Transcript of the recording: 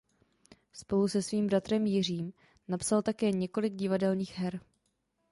Spolu se svým bratrem Jiřím napsal také několik divadelních her.